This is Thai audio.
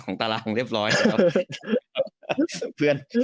ของตารางเรียบร้อย